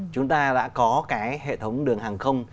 chúng ta đã có cái hệ thống đường hàng không